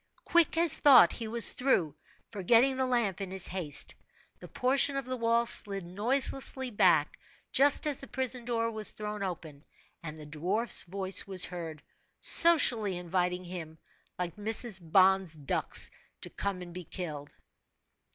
Quick as thought he was through, forgetting the lamp in his haste. The portion of the wall slid noiselessly back, just as the prison door was thrown open, and the dwarfs voice was heard, socially inviting him, like Mrs. Bond's ducks, to come and be killed.